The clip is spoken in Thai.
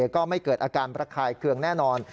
ก็ไม่เกิดอาการประคายเคืองแน่นอน